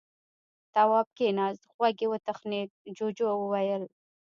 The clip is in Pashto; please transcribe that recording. تواب کېناست. غوږ يې وتخڼېد. جُوجُو وويل: